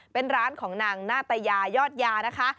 เป็นร้านของนางนาตยายอดยานะคะ